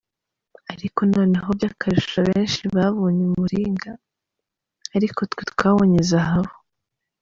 Ariko noneho by’akarusho abenshi babonye umuringa, ariko twe twabonye zahabu.